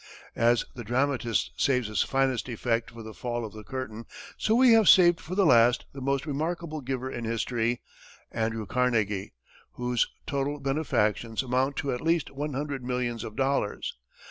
As the dramatist saves his finest effect for the fall of the curtain, so we have saved for the last the most remarkable giver in history Andrew Carnegie, whose total benefactions amount to at least one hundred millions of dollars.